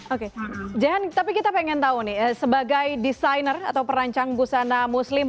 oke jahan tapi kita pengen tahu nih sebagai desainer atau perancang busana muslim